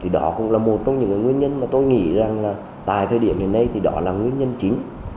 đó cũng là một trong những nguyên nhân mà tôi nghĩ rằng là tại thời điểm hiện nay thì đó là nguyên nhân chính